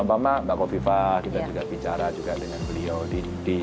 mbak mbak kofifah kita juga bicara juga dengan beliau di dki